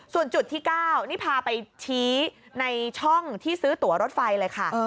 ส่วนจุดที่๙นี่พาไปชี้ในช่องที่ซื้อตัวรถไฟเลยค่ะ